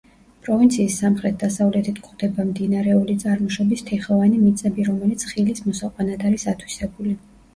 პროვინციის სამხრეთ-დასავლეთით გვხვდება მდინარეული წარმოშობის თიხოვანი მიწები, რომელიც ხილის მოსაყვანად არის ათვისებული.